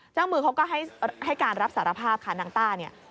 เจ้ามือเขาก็ให้การรับสารภาพค่ะนางต้าเนี่ย